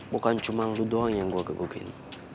bukan cuma lu doang yang gue gegukin